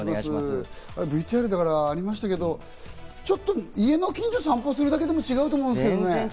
ＶＴＲにありましたけど、ちょっと家の近所を散歩するだけでも違うと思うんですけれど。